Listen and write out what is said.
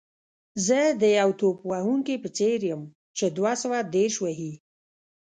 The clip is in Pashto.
زه د یو توپ وهونکي په څېر یم چې دوه سوه دېرش وهي.